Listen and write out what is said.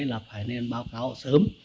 là phải nên báo cáo sớm